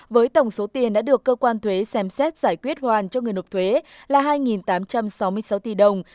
với tổng số tiền đã được cơ quan thuế xem xét giải quyết hoàn cho người nộp thuế là hai tám trăm sáu mươi sáu tỷ đồng